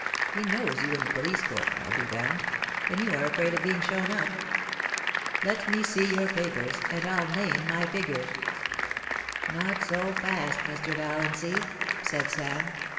He knows you in the police court, I'll be bound, and you are afraid of being shown up. Let me see your papers, and I'll name my figure.' ' Not so fast, Mr. Valiancy,' said Sam.